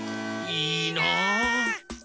いいな！